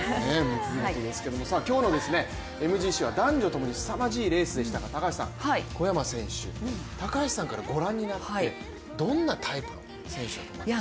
今日のＭＧＣは男女ともにすさまじいレースでしたが小山選手、高橋からご覧になって、どんなタイプの選手ですか？